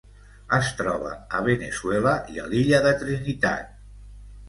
Es troba a Veneçuela i a l'Illa de Trinitat.